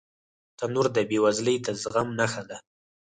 تنور د بې وزلۍ د زغم نښه ده